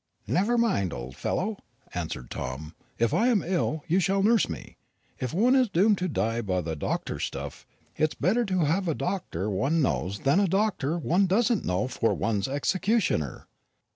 "Never mind, old fellow," answered Tom; "if I am ill, you shall nurse me. If one is doomed to die by doctors' stuff, it's better to have a doctor one does know than a doctor one doesn't know for one's executioner."